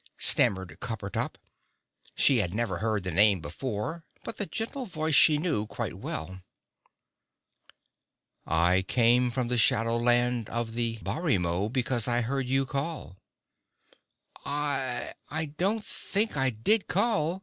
stammered Coppertop. She had never heard the name before, but the gentle voice she knew quite well. "I came from the Shadowland of the Barimo, because I heard you call." "I I don't think I did call!"